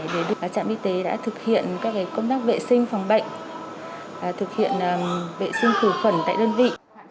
để các trạm y tế đã thực hiện các công tác vệ sinh phòng bệnh thực hiện vệ sinh khử khuẩn tại đơn vị